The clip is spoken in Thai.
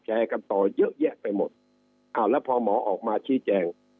แชร์กันต่อยื่อยื่อไปหมดแล้วพอหมอออกมาชี้แจง